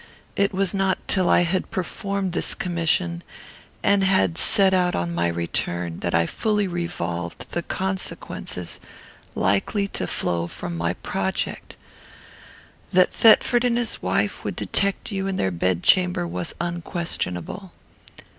It was not till I had performed this commission, and had set out on my return, that I fully revolved the consequences likely to flow from my project. "That Thetford and his wife would detect you in their bedchamber was unquestionable.